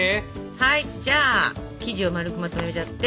はいじゃあ生地を丸くまとめちゃって。